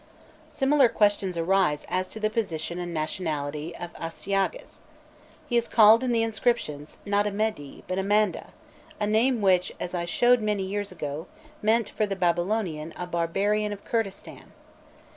Similar questions arise as to the position and nationality of Astyages. He is called in the inscriptions, not a Mede, but a Manda a name which, as I showed many years ago, meant for the Babylonian a "barbarian" of Kurdistan.